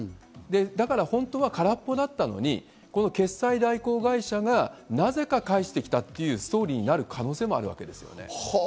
だから本当は空っぽだったのに決済代行会社がなぜか返してきたというストーリーになる可能性もあるわけですよね。